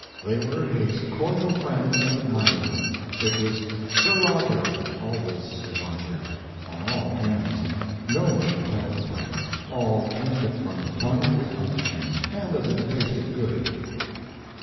They were his cordial friends and admirers. It was "Sir Roger," always "Sir Roger," on all hands; no one withheld the title, all turned it from the tongue with unction, and as if it tasted good.